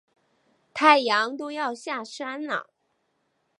太阳都要下山了